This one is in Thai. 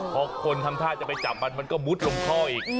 พอคนทำท่าจะไปจับมันมันก็มุดลงท่ออีก